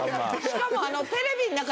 しかも。